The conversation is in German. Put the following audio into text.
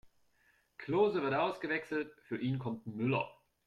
Klose wird ausgewechselt, für ihn kommt Müller.